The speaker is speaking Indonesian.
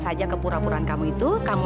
pasahh untuk kinam totaku